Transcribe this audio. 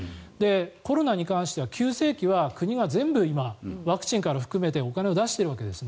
コロナに関しては急性期は国が全部今、ワクチンから含めてお金を出しているわけですね。